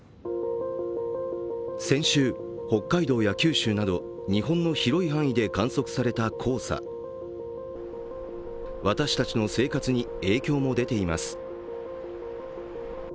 先週、北海道や九州など日本の広い範囲で観測された黄砂、私たちの生活に影響も出ています。